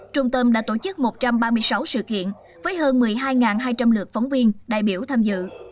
trung tâm đã tổ chức một trăm ba mươi sáu sự kiện với hơn một mươi hai hai trăm linh lượt phóng viên đại biểu tham dự